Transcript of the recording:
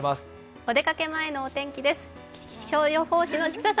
お出かけ前のお天気です。